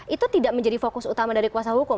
itu tidak menjadi fokus utama dari kuasa hukum